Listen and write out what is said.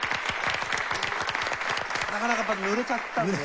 なかなか濡れちゃったんで。